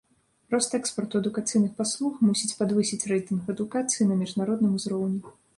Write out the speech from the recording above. Рост экспарту адукацыйных паслуг мусіць падвысіць рэйтынг адукацыі на міжнародным узроўні.